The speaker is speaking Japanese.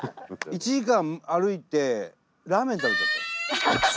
１時間歩いてラーメン食べちゃったんです。